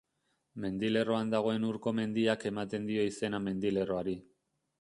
Mendilerroan dagoen Urko mendiak ematen dio izena mendilerroari.